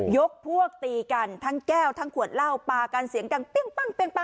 ยกพวกตีกันทั้งแก้วทั้งขวดเหล้าปลากันเสียงกันปิ้งปั้งเลยค่ะ